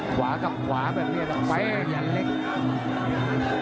ขวากลับขวาแบบนี้แล้วแฟน